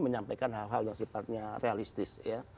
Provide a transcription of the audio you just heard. menyampaikan hal hal yang sifatnya realistis ya